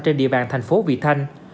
trên địa bàn thành phố vị thanh